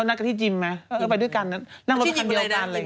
มันจะง่ายกันขนาดนั่นเลยเหรอ